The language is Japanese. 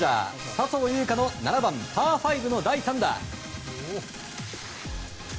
笹生優花の７番、パー５の第３打。